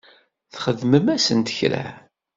Txedmem-asent kra?